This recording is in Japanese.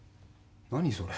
何それ？